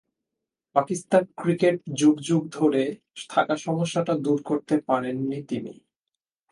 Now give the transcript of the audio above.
Pakistan cricket যুগ যুগ ধরে থাকা সমস্যাটা দূর করতে পারেননি তিনি।